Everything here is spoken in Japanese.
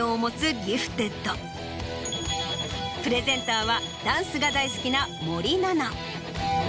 プレゼンターはダンスが大好きな森七菜。